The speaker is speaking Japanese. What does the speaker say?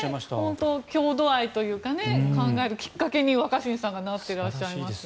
本当、郷土愛というか考えるきっかけに若新さんがなっていらっしゃいますね。